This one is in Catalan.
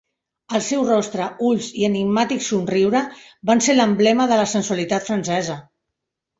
El seu rostre, ulls i enigmàtic somriure van ser l'emblema de la sensualitat francesa.